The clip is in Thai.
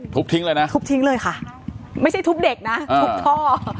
ทิ้งเลยนะทุบทิ้งเลยค่ะไม่ใช่ทุบเด็กนะทุบท่อ